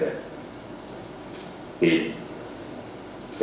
dari intelijen saya ada